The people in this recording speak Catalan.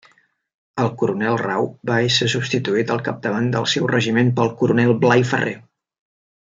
El coronel Rau va ésser substituït al capdavant del seu regiment pel coronel Blai Ferrer.